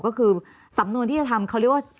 ก็คือสำนวนที่จะทำเขาเรียกว่า